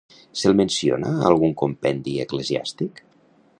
Se'l menciona a algun compendi eclesiàstic?